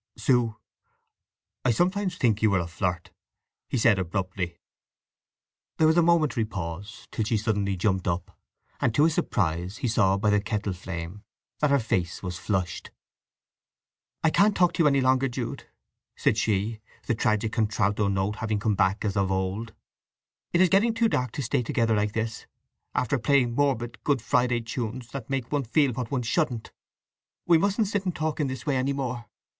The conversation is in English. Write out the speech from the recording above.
"Sue, I sometimes think you are a flirt," said he abruptly. There was a momentary pause, till she suddenly jumped up; and to his surprise he saw by the kettle flame that her face was flushed. "I can't talk to you any longer, Jude!" she said, the tragic contralto note having come back as of old. "It is getting too dark to stay together like this, after playing morbid Good Friday tunes that make one feel what one shouldn't! … We mustn't sit and talk in this way any more.